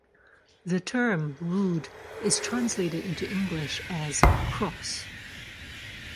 The term "rood" is translated into English as "cross".